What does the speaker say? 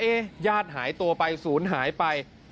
ญาติหายตัวไปศูนย์หายไป